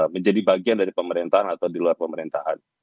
menjadi bagian dari pemerintahan atau di luar pemerintahan